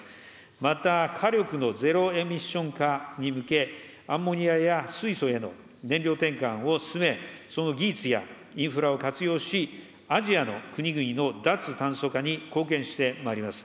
また火力のゼロエミッション化へ向け、アンモニアや水素への燃料転換を進め、その技術やインフラを活用し、アジアの国々の脱炭素化に貢献してまいります。